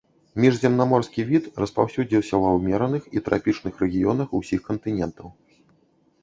Міжземнаморскі від, распаўсюдзіўся ва ўмераных і трапічных рэгіёнах ўсіх кантынентаў.